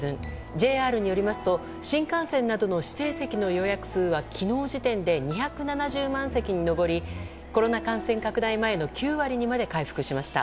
ＪＲによりますと新幹線などの指定席の予約数は昨日時点で２７０万席に上りコロナ感染拡大前の９割にまで回復しました。